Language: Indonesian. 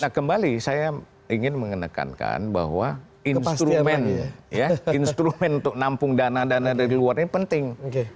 nah kembali saya ingin menekankan bahwa instrumen untuk nampung dana dana dari luar ini penting